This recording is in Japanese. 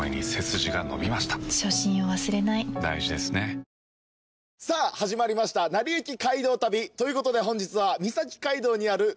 三井不動産さあ始まりました『なりゆき街道旅』ということで本日は。